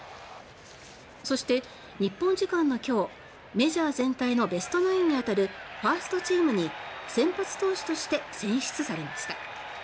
そして日本時間の今日メジャー全体のベストナインにあたるファーストチームに先発投手として選出されました。